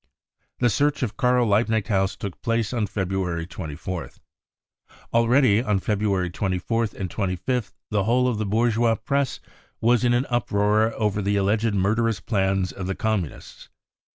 The search of Karl Liebknecht House took place on February 24th. Already on February 24th | and 25th the whole of the bourgeois Press was in an uproar 9ver the alleged murderous plans of the Communists.